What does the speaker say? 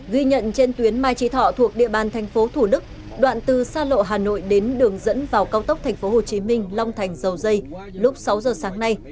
ghi nhận trên tuyến mai trí thọ thuộc địa bàn thành phố thủ đức đoạn từ xa lộ hà nội đến đường dẫn vào cao tốc tp hcm long thành dầu dây lúc sáu giờ sáng nay